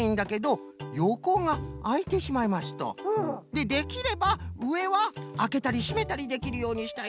でできればうえはあけたりしめたりできるようにしたいです。